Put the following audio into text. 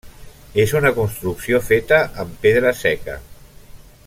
És una construcció feta amb pedra seca.